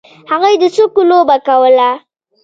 هغوی د سکو لوبه کوله.